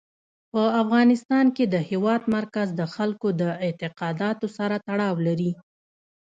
په افغانستان کې د هېواد مرکز د خلکو د اعتقاداتو سره تړاو لري.